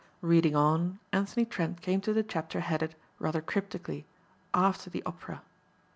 Reading on, Anthony Trent came to the chapter headed, rather cryptically, "After the Opera."